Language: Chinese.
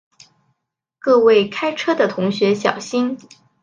各位开车的同学小心